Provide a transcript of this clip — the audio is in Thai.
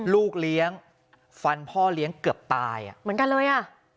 ลูกเลี้ยงฟันพ่อเลี้ยงเกือบตายอ่ะเหมือนกันเลยอ่ะ